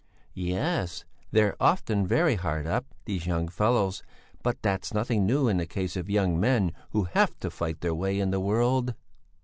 "Yes; they're often very hard up, these young fellows, but that's nothing new in the case of young men who have to fight their way in the world."